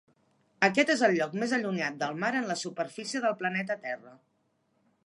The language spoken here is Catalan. Aquest és el lloc més allunyat del mar en la superfície del planeta Terra.